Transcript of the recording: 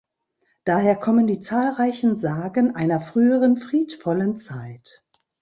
Daher kommen die zahlreichen Sagen einer früheren friedvollen Zeit.